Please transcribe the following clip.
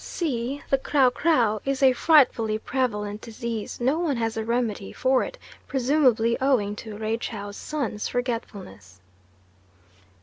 C. The kraw kraw is a frightfully prevalent disease; no one has a remedy for it, presumably owing to Raychow's son's forgetfulness.